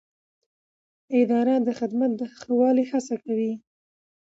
اداره د خدمت د ښه والي هڅه کوي.